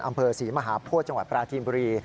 อำเภอ๔มหาพลจังหวัดประถีมบรี